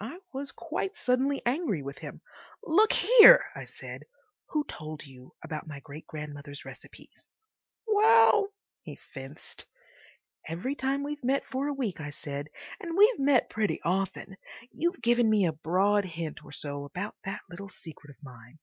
I was quite suddenly angry with him. "Look here," I said, "who told you about my great grandmother's recipes?" "Well," he fenced. "Every time we've met for a week," I said, "and we've met pretty often—you've given me a broad hint or so about that little secret of mine."